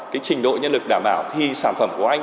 cái trình độ nhân lực đảm bảo thì sản phẩm của anh